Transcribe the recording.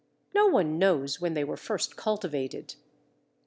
No one knows when they were first cultivated.